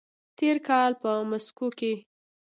تېر کال په مسکو کې